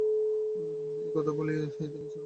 একথা বলেই তিনি ইসলামের পতাকা হাতে তুলে নেন।